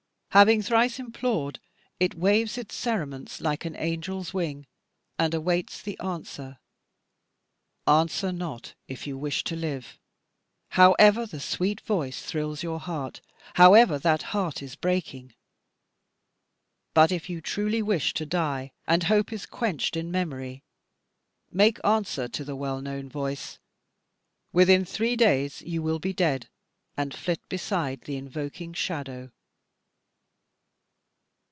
Having thrice implored, it waves its cerements like an angel's wing, and awaits the answer. Answer not, if you wish to live; however the sweet voice thrills your heart, however that heart is breaking. But if you truly wish to die, and hope is quenched in memory; make answer to the well known voice. Within three days you will be dead, and flit beside the invoking shadow.